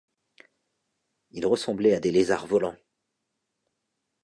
Ils ressemblaient à des lézards volants.